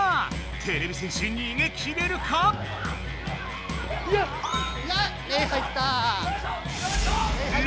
てれび戦士にげきれるか⁉レイ入った。